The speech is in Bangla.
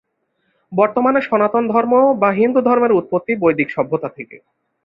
বর্তমানে সনাতন ধর্ম বা হিন্দু ধর্মের উৎপত্তি বৈদিক সভ্যতা থেকে।